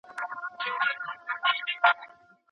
څرنګه چي شعر مخاطب لري